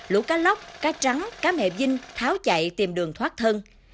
lũ cá lóc cá trắng cá mẹ vinh tháo chạy tìm đường thoát thân